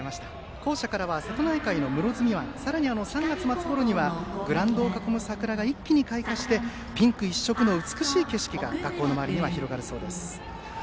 校舎からは瀬戸内海さらには３月末ごろにはグラウンドを囲む桜が一気に開花して、ピンク一色の美しい景色が学校の周りには広がるそうです。